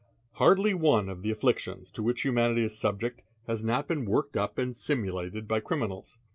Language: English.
Hardly one of the afflictions to which humanity is subject has | been worked up and simulated by criminals.